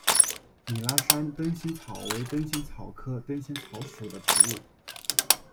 米拉山灯心草为灯心草科灯心草属的植物。